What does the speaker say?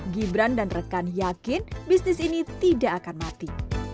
gibran dan rekan yakin bisnis ini tidak akan mati